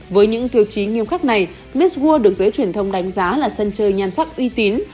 với những tiêu chí nghiêm khắc này miết world được giới truyền thông đánh giá là sân chơi nhan sắc uy tín